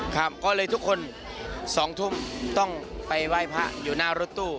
ครับก็เลยทุกคน๒ทุ่มต้องไปไหว้พระอยู่หน้ารถตู้